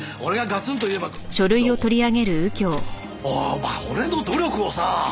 お前俺の努力をさあ！